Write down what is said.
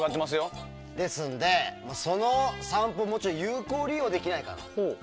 ですんで、その散歩を有効利用できないかと。